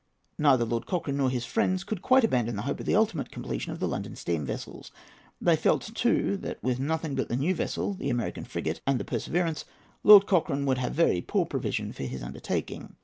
Neither Lord Cochrane nor his friends could quite abandon hope of the ultimate completion of the London steam vessels. They felt, too, that with nothing but the new vessel, the American frigate, and the Perseverance, Lord Cochrane would have very poor provision for his undertaking.